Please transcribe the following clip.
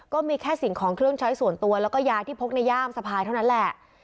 ก็มีแค่สิ่งของเครื่องใช้ส่วนตัวแล้วก็ยาที่พกในย่ามสะพายเท่านั้นแหละ